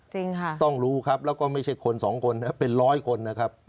จริงค่ะต้องรู้ครับแล้วก็ไม่ใช่คน๒คนนะเป็น๑๐๐คนนะครับ